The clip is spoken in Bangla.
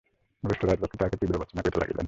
রুষ্ট রাজলক্ষ্মী তাহাকে তীব্র ভর্ৎসনা করিতে লাগিলেন।